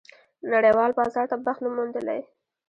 نړېوال بازار ته بخت نه موندلی.